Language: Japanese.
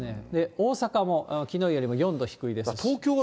大阪もきのうよりも４度低いです。